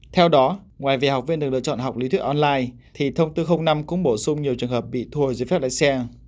theo đó ngoài về học viên được lựa chọn học lý thuyết online thì thông tư năm cũng bổ sung nhiều trường hợp bị thu hồi dưới phép lái xe